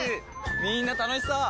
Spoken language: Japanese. みんな楽しそう！